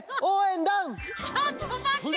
ちょっとまって！